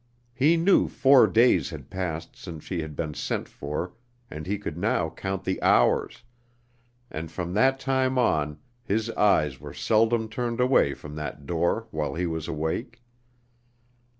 He knew four days had passed since she had been sent for and he could now count the hours, and from that time on his eyes were seldom turned away from that door while he was awake.